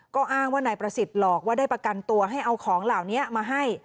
ก็อ้างว่านายประสิทธิ์หลอกว่าได้ประกันตัวให้เอาของเหล่านี้มาให้